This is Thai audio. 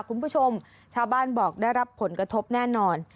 คุณผู้ชมชาวบ้านบอกได้รับผลกระทบแน่นอน